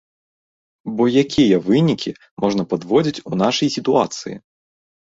Бо якія вынікі можна падводзіць у нашай сітуацыі?